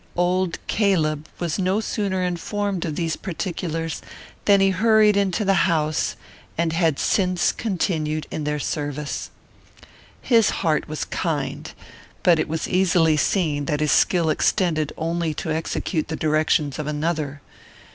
Old Caleb was no sooner informed of these particulars, than he hurried to the house, and had since continued in their service. His heart was kind, but it was easily seen that his skill extended only to execute the directions of another.